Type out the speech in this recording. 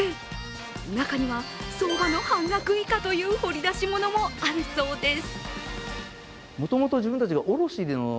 中には相場の半額以下という掘り出し物もあるそうです。